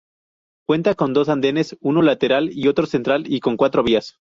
Cuenta con dos andenes, uno lateral y otro central, y con cuatro vías.